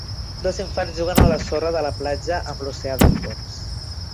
Dos infants juguen a la sorra de la platja amb l'oceà de fons.